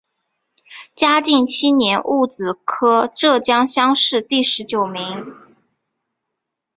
嘉靖七年戊子科浙江乡试第十九名。